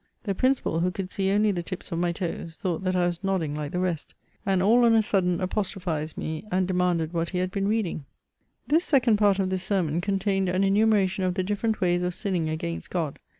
The Principal, who ooM see only the tips of my toes, thought that I was nodding Kke the rest, and all on a sudden apostrophized me, and demanded what he had been reading ? This second part of this sermon contained an enumeration of the different ways of sinning against God.